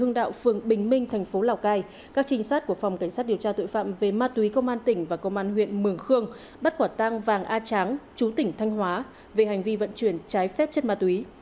hưng đạo phường bình minh thành phố lào cai các trinh sát của phòng cảnh sát điều tra tội phạm về ma túy công an tỉnh và công an huyện mường khương bắt quả tang vàng a tráng chú tỉnh thanh hóa về hành vi vận chuyển trái phép chất ma túy